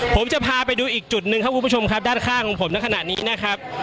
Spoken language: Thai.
ผมจะพาไปดูอีกจุดหนึ่งครับคุณผู้ชมครับด้านข้างของผมในขณะนี้นะครับ